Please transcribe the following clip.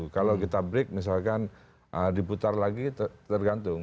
kalau kita break misalkan diputar lagi tergantung